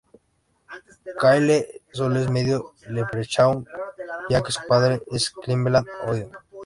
Kyle sólo es medio leprechaun, ya que su padre es de Cleveland, Ohio.